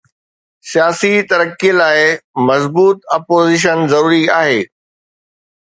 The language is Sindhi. سياسي ترقي لاءِ مضبوط اپوزيشن ضروري آهي.